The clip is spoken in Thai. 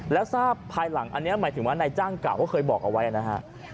แล้วทราบภายหลังอันนี้หมายถึงว่านายจ้างเก่าเขาเคยบอกเอาไว้นะฮะ